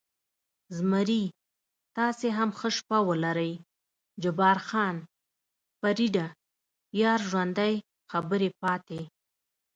زمري: تاسې هم ښه شپه ولرئ، جبار خان: فرېډه، یار ژوندی، خبرې پاتې.